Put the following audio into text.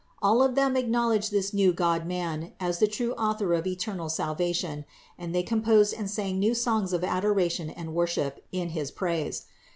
All of them acknowledged this new Godman as the true Author of eternal salvation, and they com posed and sang new songs of adoration and worship in his praise.